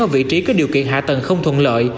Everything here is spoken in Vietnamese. ở vị trí có điều kiện hạ tầng không thuận lợi